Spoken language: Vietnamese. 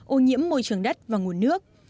ô nhiễm môi trường đất và nguồn nước